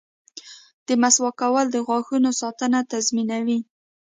• د مسواک کول د غاښونو ساتنه تضمینوي.